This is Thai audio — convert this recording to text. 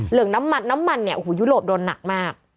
น้ำมันน้ำมันเนี่ยโอ้โหยุโรปโดนหนักมาก